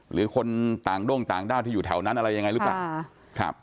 หรือคนต่างด้งต่างด้าวที่อยู่แถวนั้นอะไรยังไงหรือเปล่า